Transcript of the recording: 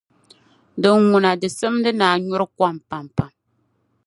dinŋuna di simdi ni a nyuri kom pampam.